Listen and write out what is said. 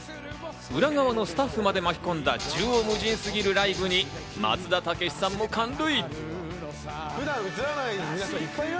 裏側のスタッフまで巻き込んだ縦横無尽すぎるライブに松田丈志さんも感涙。